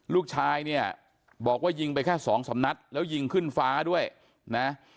ลูกชายเนี่ยบอกว่ายิงไปแค่สองสามนัดแล้วยิงขึ้นฟ้าด้วยนะ